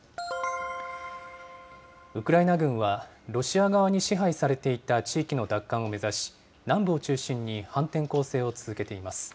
ウクライナ軍は、ロシア側に支配されていた地域の奪還を目指し、南部を中心に反転攻勢を続けています。